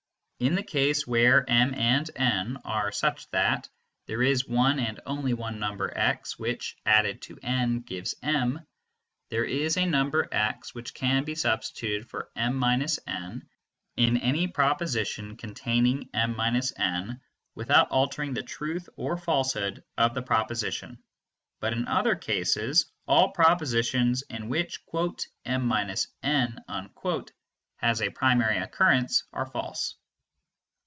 In the case where m and n are such that there is one and only one number x which, added to n, gives m, there is a number x which can be substituted for m − n in any proposition contain m − n without altering the truth or falsehood of the proposition. But in other cases, all propositions in which "m − n" has a primary occurrence are false.